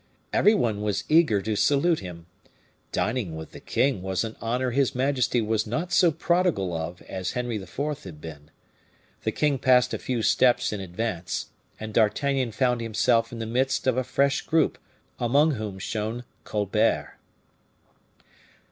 Every one was eager to salute him. Dining with the king was an honor his majesty was not so prodigal of as Henry IV. had been. The king passed a few steps in advance, and D'Artagnan found himself in the midst of a fresh group, among whom shone Colbert.